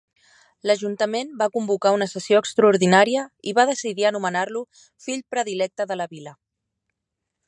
L'Ajuntament va convocar una sessió extraordinària i va decidir anomenar-lo fill predilecte de la vila.